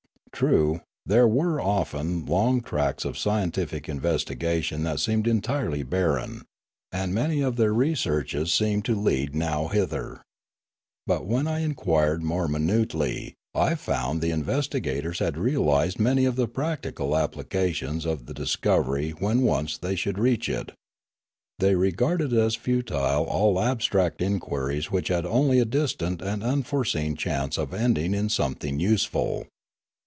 True, there were often long tracts of scientific investigation that seemed eutirely barren; and many of their re searches seemed to lead nowhither. But when I in quired more minutely I found that the investigators had Rimla 109 realised many of the practical applications of the dis covery when once they should reach it. They re garded as futile all abstract inquiries which had only a distant and unforeseen chance of ending in some thing useful.